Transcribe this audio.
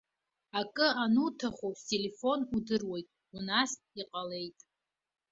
Акы ануҭаху, стелефон удыруеит, унаст, иҟалеит.